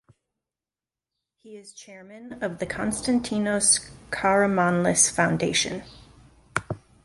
He is chairman of the Konstantinos Karamanlis Foundation.